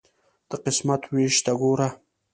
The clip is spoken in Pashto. د قسمت ویش ته ګوره.